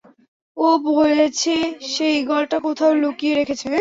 ও বলছে সে ঈগলটা কোথাও লুকিয়ে রেখেছে।